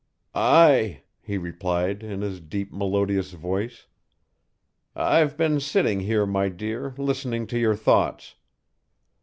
"Aye," he replied in his deep, melodious voice, "I've been sitting here, my dear, listening to your thoughts.